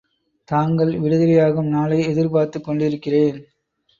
தாங்கள் விடுதலையாகும் நாளை எதிர்பார்த்துக் கொண்டிருக்கிறேன்.